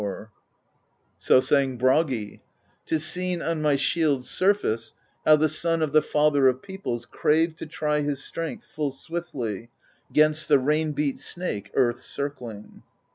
THE POESY OF SKALDS 103 So sang Bragi: *Tis seen, on my shield's surface, How the Son of the Father of Peoples Craved to try his strength full swiftly 'Gainst the rain beat Snake earth circling.